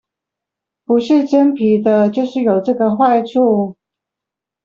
不是真皮的就是有這個壞處！